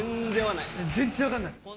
全然分かんない。